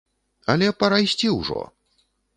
Але пара ісці ўжо!